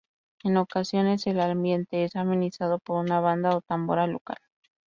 En ocasiones el ambiente es amenizado por una banda o tambora local.